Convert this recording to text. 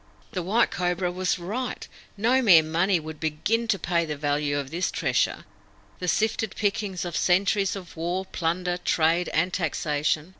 The White Cobra was right. No mere money would begin to pay the value of this treasure, the sifted pickings of centuries of war, plunder, trade, and taxation.